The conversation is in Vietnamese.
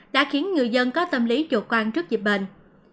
đã khiến người dân có tâm lý dột quan trước dịp bệnh